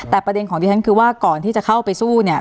แต่ประเด็นของดิฉันคือว่าก่อนที่จะเข้าไปสู้เนี่ย